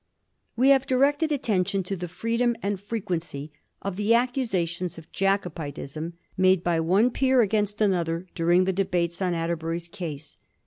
We have directed attention to the freedom and frequency of the accusations of Jacobitism made by one peer against another during the debates on Atterbury's case.